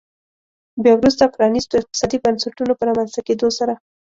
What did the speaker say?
بیا وروسته پرانیستو اقتصادي بنسټونو په رامنځته کېدو سره.